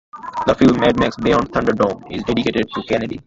The film "Mad Max Beyond Thunderdome" is dedicated to Kennedy.